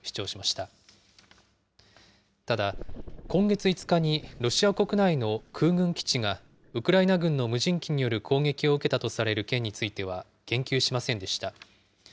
ただ、今月５日にロシア国内の空軍基地がウクライナ軍の無人機による攻撃を受けたとされる件については、言及しませんでした。